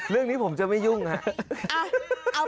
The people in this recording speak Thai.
เรื่องนี้ผมจะไม่ยุ่งครับ